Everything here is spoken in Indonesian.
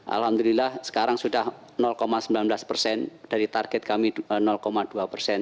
alhamdulillah sekarang sudah sembilan belas persen dari target kami dua persen